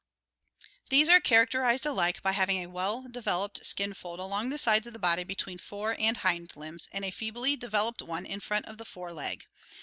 These are characterized alike by having a well developed skin fold along the sides of the body between fore and hind limbs, and a feebly developed one in front of the fore leg.